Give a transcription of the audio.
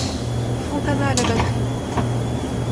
Fontana à la batterie.